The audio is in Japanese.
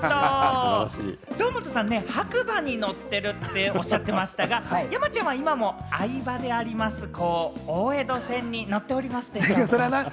堂本さん、白馬に乗ってるっておっしゃってましたが、山ちゃんは今も愛馬であります、大江戸線に乗っておりますでしょうか？